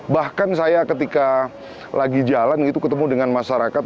bahkan saya ketika lagi jalan gitu ketemu dengan masyarakat